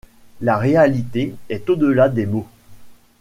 La réalité est au-delà des mots.